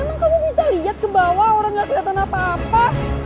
emang kamu bisa lihat ke bawah orang gak kelihatan apa apa